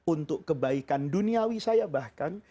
untuk kebaikan duniawi saya bahkan